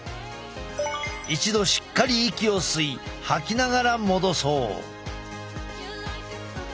一度しっかり息を吸い吐きながら戻そう。